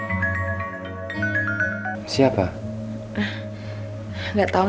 assalamualaikum warahmatullahi wa barakatuh